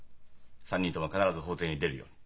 ３人とも必ず法廷に出るように。